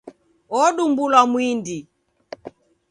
Odumbulwa mwindi.